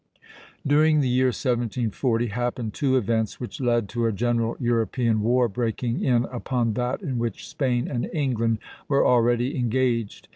During the year 1740 happened two events which led to a general European war breaking in upon that in which Spain and England were already engaged.